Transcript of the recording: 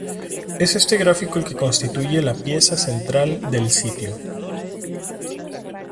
Es este gráfico el que constituye la pieza central del sitio.